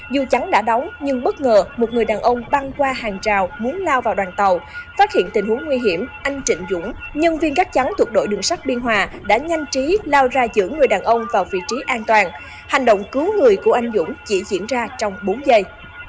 dù trắng đã đóng nhưng bất ngờ một người đàn ông băng qua hàng rào muốn lao vào đoàn tàu phát hiện tình huống nguy hiểm anh trịnh dũng nhân viên gắt chắn thuộc đội đường sắt biên hòa đã nhanh trí lao ra giữ người đàn ông vào vị trí an toàn hành động cứu người của anh dũng chỉ diễn ra trong bốn giây